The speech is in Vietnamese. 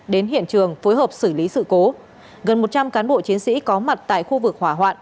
đến hiện trường phối hợp xử lý sự cố gần một trăm linh cán bộ chiến sĩ có mặt tại khu vực hỏa hoạn